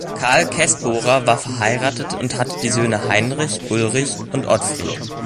Karl Kässbohrer war verheiratet und hatte die Söhne Heinrich, Ulrich und Otfried.